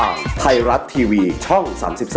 ทางไทยรัฐทีวีช่อง๓๒